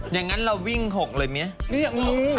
อย่างนั้นเราวิ่ง๖เลยไหม